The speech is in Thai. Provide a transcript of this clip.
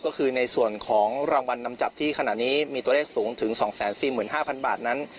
ก็คือในส่วนของรางวัลนำจับที่ขณะนี้มีตัวเลขสูงถึง๒๔๕๐๐บาทนั้น